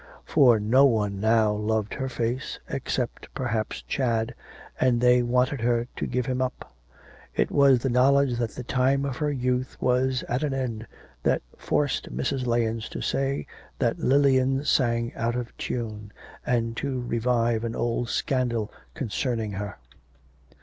For no one now loved her face except perhaps Chad, and they wanted her to give him up. It was the knowledge that the time of her youth was at an end that forced Mrs. Lahens to say that Lilian sang out of tune, and to revive an old scandal concerning her.